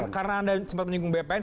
karena anda sempat menyinggung bpn